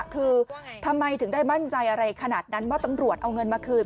คือทำไมถึงได้มั่นใจอะไรขนาดนั้นว่าตำรวจเอาเงินมาคืน